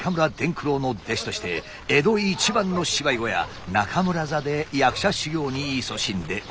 九郎の弟子として江戸一番の芝居小屋中村座で役者修業にいそしんでおりました。